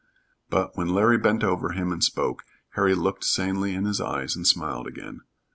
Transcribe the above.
But when Larry bent over him and spoke, Harry looked sanely in his eyes and smiled again.